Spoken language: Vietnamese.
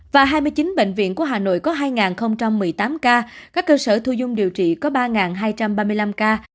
và hai mươi chín bệnh viện của hà nội có hai một mươi tám ca các cơ sở thu dung điều trị có ba hai trăm ba mươi năm ca